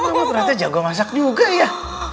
mama berarti jago masak juga ya